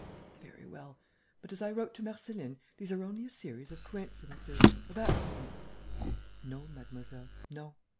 "Very well. But, as I wrote to Marceline, these are only a series of coincidences, of accidents...." "No, mademoiselle, no.